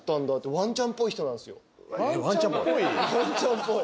ワンちゃんっぽい？